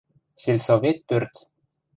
Сельсовет пӧрт.